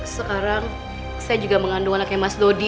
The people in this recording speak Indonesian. sekarang saya juga mengandung anaknya mas dodi